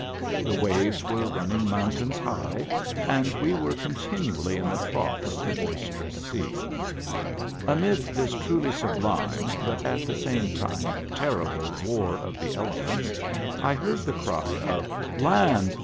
The waves were running mountains high, and we were continu ally in the trough of the boisterous sea. Amid this truly sublime, but at the same time terrible war of the elements, I heard the cry of " Land